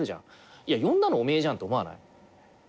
いや呼んだのお前じゃんって思わない？